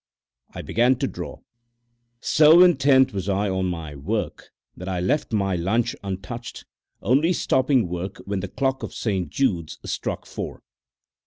I began to draw. So intent was I on my work that I left my lunch untouched, only stopping work when the clock of St. Jude's struck four.